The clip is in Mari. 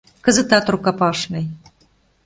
Кызытат рукопашный.